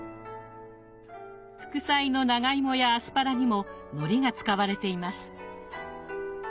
副菜の長芋やアスパラにものりが使われています。